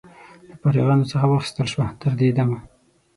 له فارغانو څخه واخیستل شوه. تر دې دمه